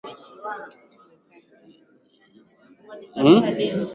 nchi yakahamishwa tena kwenda MoscowKiongozi aliyemfuata Lenin mwaka elfu moja mia tisa ishirini